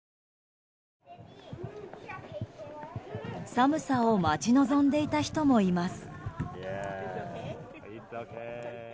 寒さを待ち望んでいた人もいます。